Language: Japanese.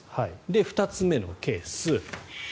２つ目のケース。